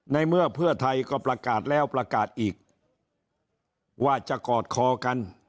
ในเมื่อเพื่อไทยก็ประกาศแล้วประกาศอีกว่าจะกอดคอกัน